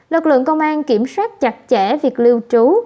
lực lượng công an kiểm soát chặt chẽ việc lưu trú